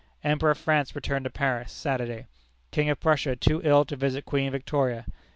Emperor of France returned to Paris, Saturday. King of Prussia too ill to visit Queen Victoria.